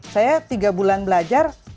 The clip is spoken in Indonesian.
saya tiga bulan belajar